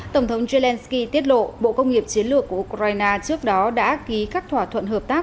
tổng thống zelensky tiết lộ bộ công nghiệp chiến lược của ukraine trước đó đã ký các thỏa thuận hợp tác